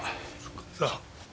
さあ。